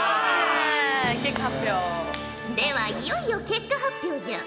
結果発表！ではいよいよ結果発表じゃ。